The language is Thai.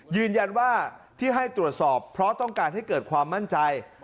ยืนยันว่าที่ให้ตรวจสอบเพราะต้องการให้เกิดความมั่นใจ